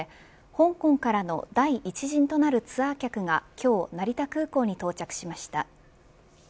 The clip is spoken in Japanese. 香港からの第１陣となるツアー客が今日、成田空港に到着しました。